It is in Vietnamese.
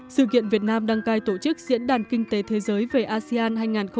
sự kiện việt nam đăng cai tổ chức diễn đàn kinh tế thế giới về asean